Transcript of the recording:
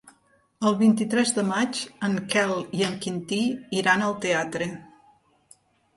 El vint-i-tres de maig en Quel i en Quintí iran al teatre.